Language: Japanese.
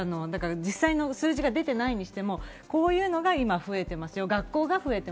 実際の数字がないにしても、こういうのが今、増えていますよ。